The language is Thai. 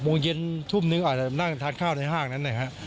โมงเย็นทุ่มนึงอาจจะนั่งทานข้าวในห้างนั้นนะฮะ